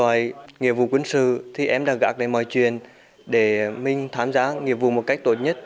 ngoài nghiệp vụ quân sự thì em đã gạc đến mọi chuyện để mình tham gia nghiệp vụ một cách tốt nhất